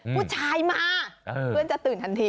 ผู้ชายมาเพื่อนจะตื่นทันที